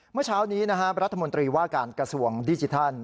เมื่อเช้านี้นะครับรัฐมนตรีว่าการกระทรวงดิจิทัล